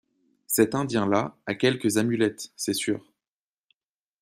Cet Indien-là a quelque amulette, c'est sûr.